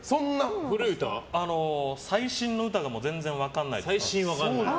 最新の歌が全然分かんないです。